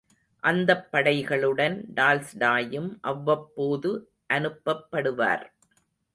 அந்தப் படைகளுடன் டால்ஸ்டாயும் அவ்வப்போது அனுப்பப்படுவார்.